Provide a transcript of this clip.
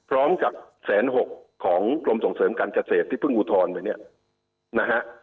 กับแสนหกของกรมส่งเสริมการเกษตรที่เพิ่งอุทธรณ์ไปเนี่ยนะฮะ